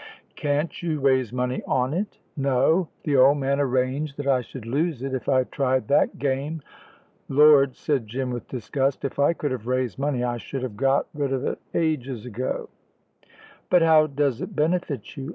"Can't you raise money on it?" "No; the old man arranged that I should lose it if I tried that game. Lord," said Jim, with disgust, "if I could have raised money I should have got rid of it, ages ago." "But how does it benefit you?"